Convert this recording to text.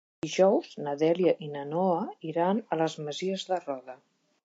Dijous na Dèlia i na Noa iran a les Masies de Roda.